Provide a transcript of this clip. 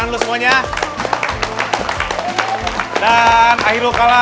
nenek mau minta hadiah buat lo